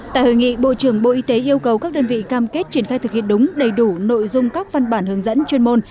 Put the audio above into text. tại hội nghị bộ trưởng bộ y tế yêu cầu các đơn vị cam kết triển khai thực hiện đúng đầy đủ nội dung các văn bản hướng dẫn chuyên môn